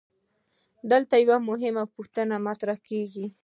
دلته یوه مهمه پوښتنه مطرح کیږي.